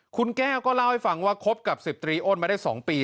คุณแก้วก็เล่าให้ฟังว่าคบกับ๑๐ตรีอ้นมาได้๒ปี